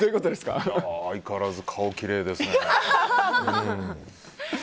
相変わらず顔がきれいですね。